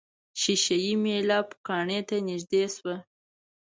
ښيښه یي میله پوکڼۍ ته نژدې شوه.